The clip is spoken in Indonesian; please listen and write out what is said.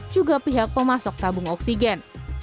juga pihak pemasok tabung oksigen